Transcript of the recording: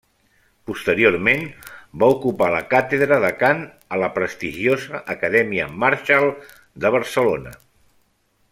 Posteriorment va ocupar la càtedra de Cant a la prestigiosa Acadèmia Marshall de Barcelona.